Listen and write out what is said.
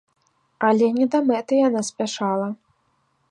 Але не да мэты яна спяшала.